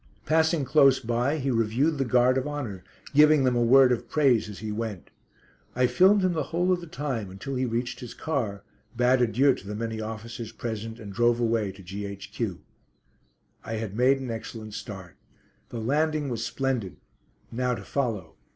Passing close by he reviewed the guard of honour, giving them a word of praise as he went. I filmed him the whole of the time, until he reached his car, bade adieux to the many officers present, and drove away to G.H.Q. I had made an excellent start. The landing was splendid. Now to follow.